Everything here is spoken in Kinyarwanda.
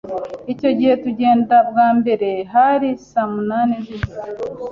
Icyo gihe tugenda bwa mbere hari saa munani z’ijoro